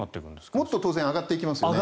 もっと当然上がっていきますよね